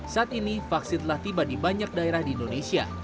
saat ini vaksin telah tiba di banyak daerah di indonesia